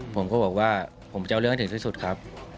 ผมก็บอกว่าผมจะเอาเรื่องให้ถึงที่สุดครับ